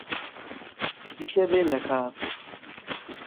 হিসাবে লেখা আছে।